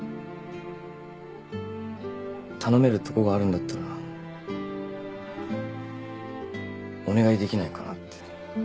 頼めるとこがあるんだったらお願いできないかなって。